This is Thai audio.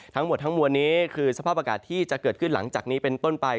ทั้งหมดทั้งมวลนี้คือสภาพอากาศที่จะเกิดขึ้นหลังจากนี้เป็นต้นไป